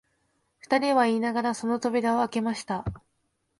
二人は言いながら、その扉をあけました